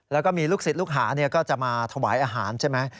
แล้วก็มีลูกศิษย์ลูกหาก็จะมาถวายอาหารใช่ไหม